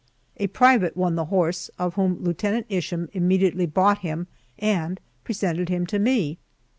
A private won the horse, of whom Lieutenant Isham immediately bought him and presented him to me.